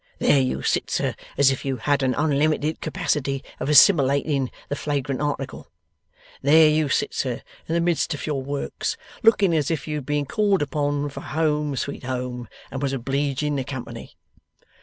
There you sit, sir, as if you had an unlimited capacity of assimilating the flagrant article! There you sit, sir, in the midst of your works, looking as if you'd been called upon for Home, Sweet Home, and was obleeging the company!